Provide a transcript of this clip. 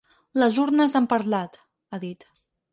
Les urnes han parlat, ha dit.